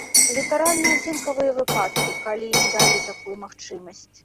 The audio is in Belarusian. Літаральна адзінкавыя выпадкі, калі ім далі такую магчымасць.